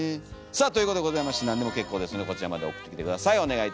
さあということでございまして何でも結構ですのでこちらまで送ってきて下さい。